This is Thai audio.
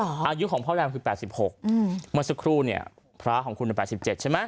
อายุของพ่อแรมคือแปดสิบหกอืมมันสักครู่เนี้ยพระของคุณเป็นแปดสิบเจ็ดใช่ไหม